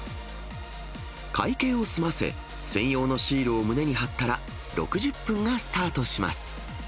会計を済ませ、専用のシールを胸に貼ったら、６０分がスタートします。